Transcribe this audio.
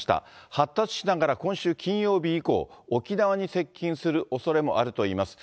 発達しながら今週金曜日以降、沖縄に接近するおそれもあるといいます。